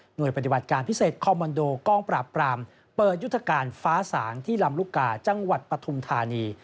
โดยปฏิบัติการพิเศษคอมมันโดกองปราบปรามเปิดยุทธการฟ้าสางที่ลำลูกกาจังหวัดปฐุมธานี